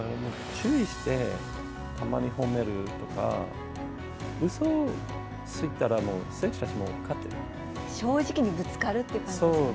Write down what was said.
注意して、たまに褒めるとか、うそついたら、もう、選手たちも正直にぶつかるって感じですそう、